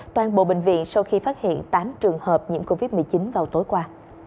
toàn bộ bệnh viện sau khi phát hiện tám trường hợp nhiễm covid một mươi chín vào tối qua